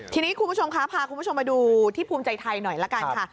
ทีนี้คุณผู้ชมคะพาคุณผู้ชมมาดูที่ภูมิใจไทยหน่อยละกันค่ะ